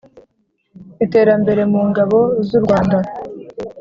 Iterambere mu Ngabo z u Rwanda